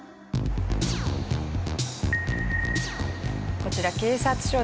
こちら警察署です。